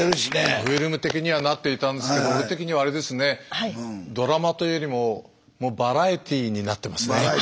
フィルム的にはなっていたんですけど俺的にはあれですねドラマというよりももうバラエティーになってますね。